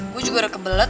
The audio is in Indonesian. gue juga udah kebelet